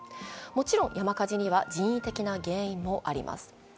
もちろん山火事には人為的な原因もあります。